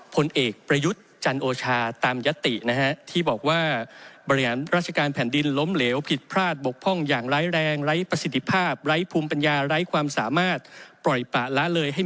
ผลเอกประยุทธ์จันโอชาตามยัตตินะฮะ